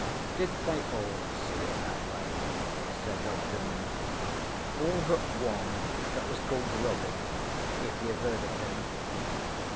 "' 'Did they all see it that way?' said Hobden. 'All but one that was called Robin if you've heard of him.